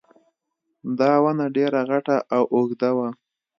دا ونه ډېره غټه او اوږده وه